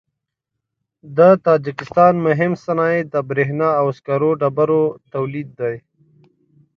د تاجکستان مهم صنایع د برېښنا او سکرو ډبرو تولید دی.